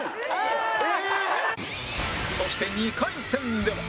そして２回戦では